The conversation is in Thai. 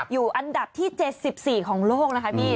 อยู่อันดับที่๗๔ของโลกนะคะพี่